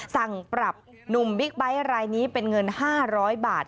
สั่งปรับหนุ่มบิ๊กไบท์รายนี้เป็นเงิน๕๐๐บาท